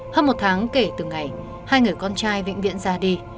hơn một tháng kể từ ngày hai người con trai vĩnh viện ra đi